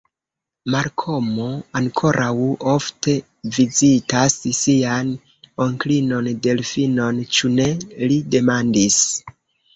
Malkomo ankoraŭ ofte vizitas sian onklinon Delfinon; ĉu ne? li demandis.